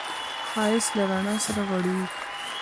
ښایست له رڼا سره غږېږي